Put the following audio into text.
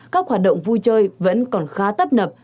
các hoạt động vui chơi vẫn còn khá tấp nập